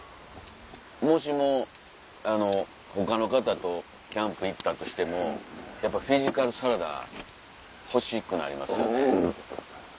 もしも他の方とキャンプ行ったとしてもやっぱフィジカルサラダ欲しくなりますよね。